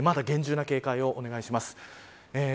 まだ厳重な警戒をお願いします。